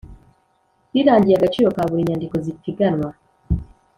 Rirangiye agaciro ka buri nyandiko z ipiganwa